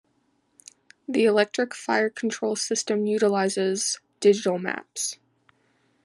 The electronic fire-control system utilises digital maps.